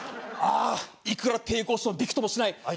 ああいくら抵抗してもびくともしない。